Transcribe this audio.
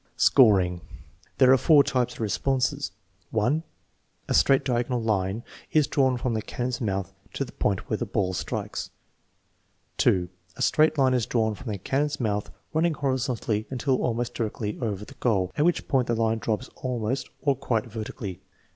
Scoring. There are four types of response: (1) A straight diagonal line is drawn from the cannon's mouth to the point where the ball strikes. () A straight line is drawn from the cannon's mouth running horizontally until almost directly over the goal, at which point the line drops almost or quite vertically.